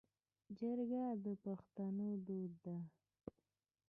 جرګه د پښتنو دود دی